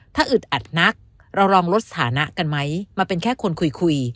ถ้าอึดอัดนักเราลองลดสถานะกันไหมมาเป็นแค่คนคุย